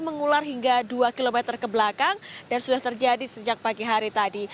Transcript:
mengular hingga dua km ke belakang dan sudah terjadi sejak pagi hari tadi